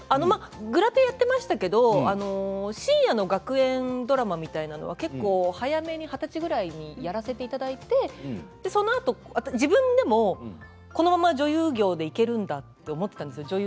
グラビアをやっていましたけど深夜の学園ドラマみたいなものは早めに、二十歳ぐらいにやらせていただいて、そのあと自分でもこのまま女優業でいけるんだと思っていたんですよ。